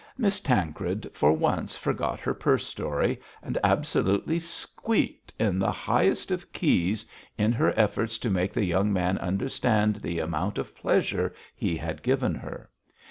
Miss Tancred for once forgot her purse story, and absolutely squeaked, in the highest of keys, in her efforts to make the young man understand the amount of pleasure he had given her.